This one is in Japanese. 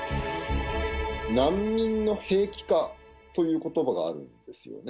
難民の兵器化ということばがあるんですよね。